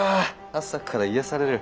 朝から癒やされる。